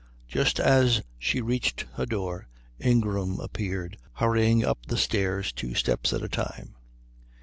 Just as she reached her door Ingram appeared, hurrying up the stairs two steps at a time.